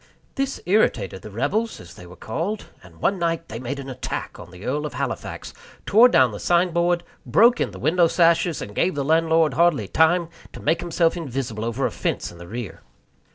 This irritated the rebels, as they were called; and one night they made an attack on the Earl of Halifax, tore down the signboard, broke in the window sashes, and gave the landlord hardly time to make himself invisible over a fence in the rear.